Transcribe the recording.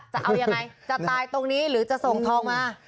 จะเอายังไงจะตายตรงนี้หรือจะส่งทองมา